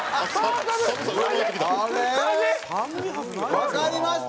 わかりました。